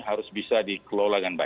harus bisa dikelola dengan baik